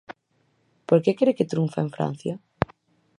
Por que cre que trunfa en Francia?